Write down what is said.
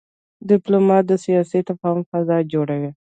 ډيپلومات د سیاسي تفاهم فضا جوړوي.